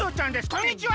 こんにちは。